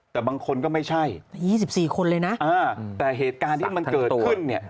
แต่บางคนก็ไม่ใช่๒๔คนเลยนะแต่เหตุการณ์ที่มันเกิดขึ้นเนี่ย